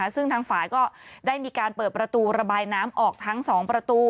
ซึ่งทางฝ่ายก็ได้มีการเปิดประตูระบายน้ำออกทั้ง๒ประตู